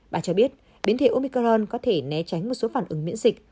bà cho biết biến thể omicron có thể né tránh một số phản ứng miễn dịch